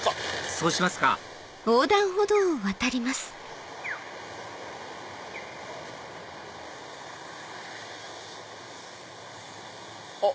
そうしますかあっ！